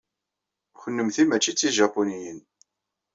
Kennemti mačči d tijapuniyin.